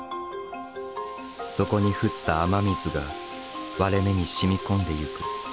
そこに降った雨水が割れ目に染み込んでいく。